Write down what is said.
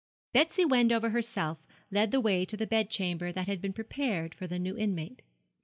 Betsy Wendover herself led the way to the bed chamber that had been prepared for the new inmate.